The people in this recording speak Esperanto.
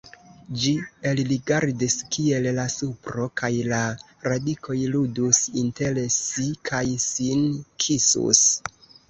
Ĝi elrigardis, kiel la supro kaj la radikoj ludus inter si kaj sin kisus.